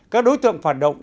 các đối tượng phản động